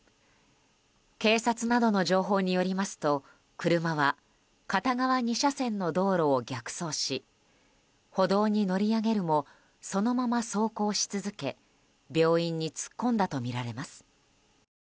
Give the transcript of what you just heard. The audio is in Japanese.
警察などの情報によりますと車は、片側２車線の道路を逆走し歩道に乗り上げるもそのまま走行し続け病院に突っ込んだとみられます。